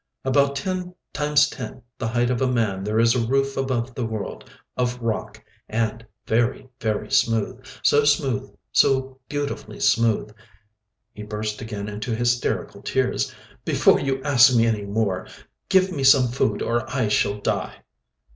"About ten times ten the height of a man there is a roof above the world—of rock—and very, very smooth. So smooth—so beautifully smooth .." He burst again into hysterical tears. "Before you ask me any more, give me some food or I shall die!"